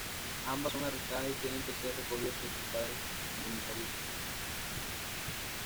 Ambas son arrestadas y tienen que ser recogidas por sus padres en comisaría.